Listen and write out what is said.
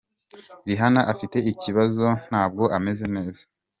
Rihanna afite ikibazo ntabwo ameze neza.